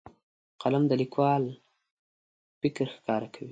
قلم د لیکوال فکر ښکاره کوي.